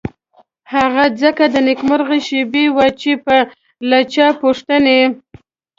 هغه ځکه د نېکمرغۍ شېبې وې چې بې له چا پوښتنې.